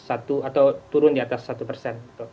satu atau turun di atas satu persen